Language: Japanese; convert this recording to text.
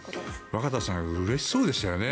若田さんうれしそうでしたよね。